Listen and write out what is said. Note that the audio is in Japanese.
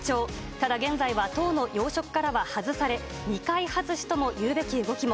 ただ現在は、党の要職からは外され、二階外しとも言うべき動きも。